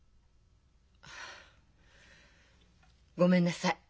あっごめんなさい。